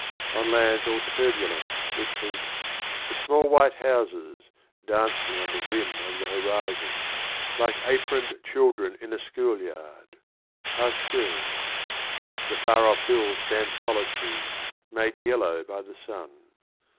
On lands all turbulent with heat The small white houses dancing On the rim of the horizon, — like aproned children 55 Outskirts. In a schoolyard — are stilled. The far off hills stand solitary Made yellow by the sun.